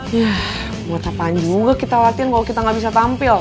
ya buat apaan juga kita latihan kalau kita gak bisa tampil